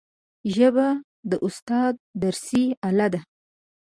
ژبه د استاد درسي آله ده